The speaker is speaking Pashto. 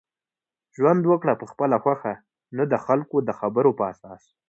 ژوند وکړه په خپله خوښه نه دخلکو دخبرو په اساس